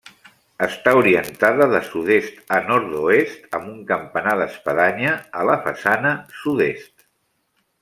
Està orientada de sud-est a nord-oest, amb un campanar d'espadanya a la façana sud-est.